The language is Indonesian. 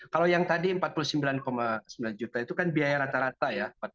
kalau yang tadi empat puluh sembilan sembilan juta itu kan biaya rata rata ya